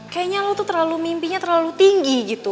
kayaknya lo tuh terlalu mimpinya terlalu tinggi gitu